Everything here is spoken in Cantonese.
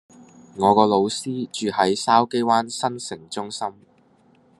我個老師住喺筲箕灣新成中心